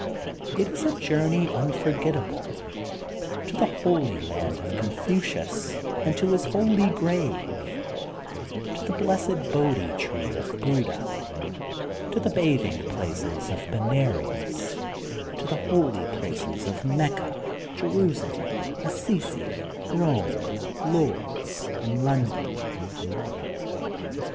It is a journey unforgettable — ^to the holy land of Confucius and to his holy grave, to the Blessed Bohdi Tree of Buddha, to the bathing placed of Benares, to the holy places of Mecca, Jerusalem, Assisi, Bome, Lourdes, and Lon don.